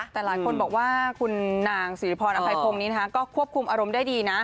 แต่หลายคนบอกว่าคุณนางสิริพรอำภัยพงศ์นี้ก็ควบคุมอารมณ์ได้ดีนะ